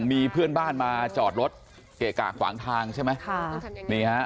มีเพื่อนบ้านมาจอดรถเกะกะขวางทางใช่ไหมค่ะนี่ฮะ